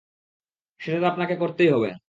সেটা তো আপনাকে করতেই হবে।